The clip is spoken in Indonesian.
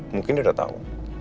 mungkin dia udah tau